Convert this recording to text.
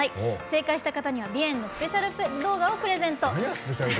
正解した方には美炎‐ＢＩＥＮ‐のスペシャル動画をプレゼント。